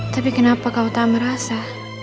tapi kenapa kau tak merasa